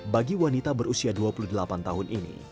bagi wanita berusia dua puluh delapan tahun ini